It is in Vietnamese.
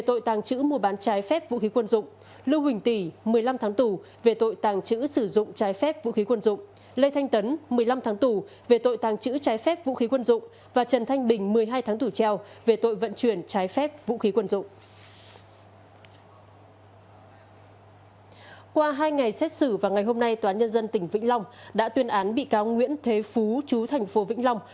trong hai ngày xét xử và ngày hôm nay tòa án nhân dân tỉnh vĩnh long đã tuyên án bị cáo nguyễn thế phú chú thành phố vĩnh long